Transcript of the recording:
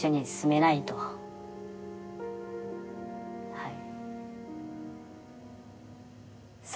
はい。